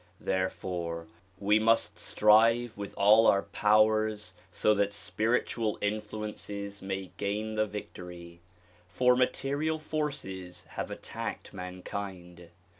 Therefore we must strive with all our powers so that spiritual influences may gain the victory. For material forces have attacked mankind.